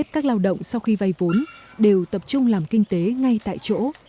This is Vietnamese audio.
các lao động sau khi vay vốn đều tập trung làm kinh tế ngay tại chỗ